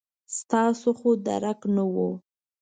ستاسو خو درک نه و.